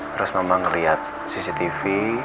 terus mama ngeliat cctv